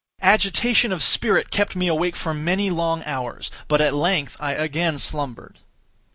Agitation of spirit kept me awake for many long hours, but at length I again slumbered.